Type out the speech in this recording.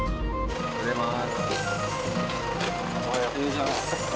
おはようございます。